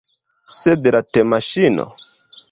Sed la temaŝino?